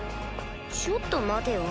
ちょっと待てよ